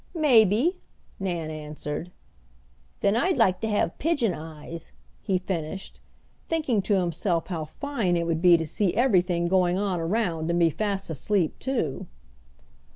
"Maybe," Nan answered. "Then I'd like to have pigeon eyes," he finished, thinking to himself how fine it would be to see everything going on around and be fast asleep too.